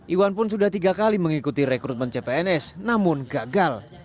iwan pun sudah tiga kali mengikuti rekrutmen cpns namun gagal